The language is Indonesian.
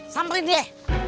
sampai nanti ya